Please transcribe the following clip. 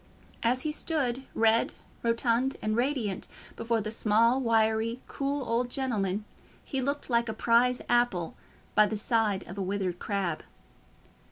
As he stood, red, rotund, and radiant, before the small, wiry, cool old gentleman, he looked like a prize apple by the side of a withered crab.